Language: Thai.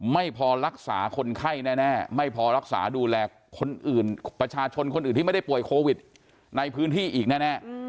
ไม่พอรักษาคนไข้แน่ไม่พอรักษาดูแลคนอื่นประชาชนคนอื่นที่ไม่ได้ป่วยโควิดในพื้นที่อีกแน่